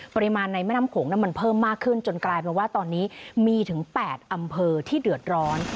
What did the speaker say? ปริมาณในแม่น้ำโขงมันเพิ่มมากขึ้นจนกลายเป็นว่าตอนนี้มีถึง๘อำเภอที่เดือดร้อน